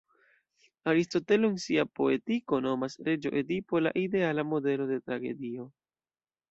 Aristotelo en sia "Poetiko" nomas "Reĝo Edipo" la ideala modelo de tragedio.